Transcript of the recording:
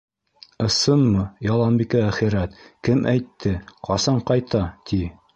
— Ысынмы, Яланбикә әхирәт, кем әйтте, ҡасан ҡайта, ти?